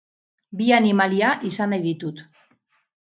Bi animalia izan nahi ditut.